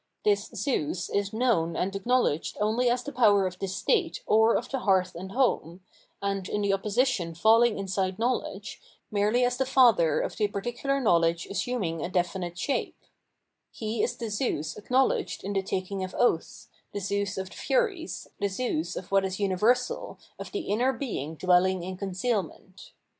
This Zeus is known and acknowledged only as the power of the state or of the hearth and home, and, in the opposition faffing inside knowledge, merely as the Father of the particular knowledge assum ing a definite shape; he is the Zeus acknowledged in the taking of oaths, the Zeus of the Furies, the Zeus of what is universal, of the inner being dwelling in concealment.